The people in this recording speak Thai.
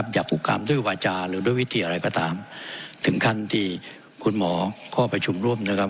ผูกกรรมด้วยวาจาหรือด้วยวิธีอะไรก็ตามถึงขั้นที่คุณหมอก็ประชุมร่วมนะครับ